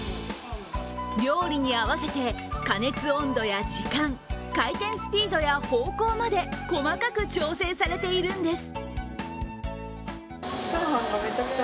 料理に合わせて加熱温度や時間、回転スピードや方向まで細かく調整されているんです。